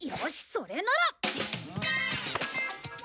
それなら。